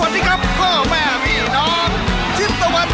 เหนือใต้อีสาน